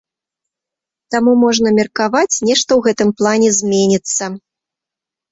Таму, можна меркаваць, нешта ў гэтым плане зменіцца.